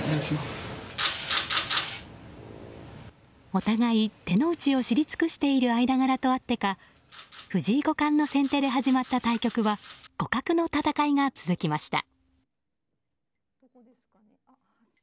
お互い、手の内を知り尽くしている間柄とあってか藤井五冠の先手で始まった対局は互角の戦いが続きました。